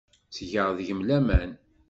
Ttgeɣ deg-m laman.